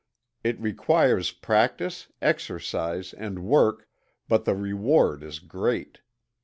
It requires practice, exercise and work but the reward is great.